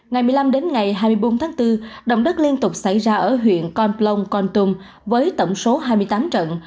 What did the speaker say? ngày một mươi năm đến ngày hai mươi bốn tháng bốn động đất liên tục xảy ra ở huyện con plong con tum với tổng số hai mươi tám trận